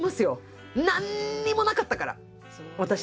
何にもなかったから私。